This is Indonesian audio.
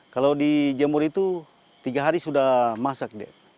kalau dijemur itu tiga hari sudah masak